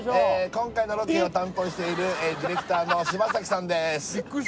今回のロケを担当しているディレクターの芝崎さん